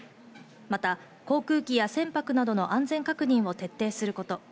また航空機や船舶などの安全確認を徹底すること。